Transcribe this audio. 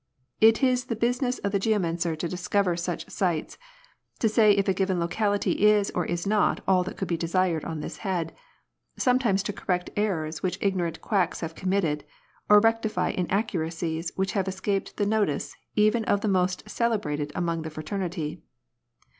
It is the busi ness of the geomancer to discover such sites, to say if a given locality is or is not all that could be desired on this head, sometimes to correct errors which igno rant quacks have committed, or rectify inaccuracies which have escaped the notice even of the most celebrated among the fraternity.